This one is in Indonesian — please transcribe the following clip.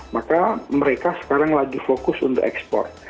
maka mereka sekarang lagi fokus untuk ekspor